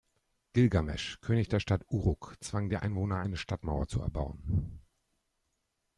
Gilgamesch, König der Stadt Uruk, zwang die Einwohner, eine Stadtmauer zu erbauen.